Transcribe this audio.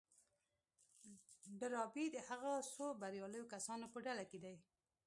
ډاربي د هغو څو برياليو کسانو په ډله کې دی.